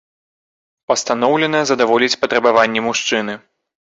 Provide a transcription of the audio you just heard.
Пастаноўлена задаволіць патрабаванні мужчыны.